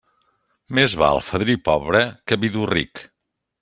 Més val fadrí pobre que viudo ric.